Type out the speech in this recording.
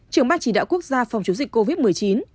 trưởng ban chỉ đạo quốc gia phòng chống dịch covid một mươi chín